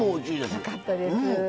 よかったです。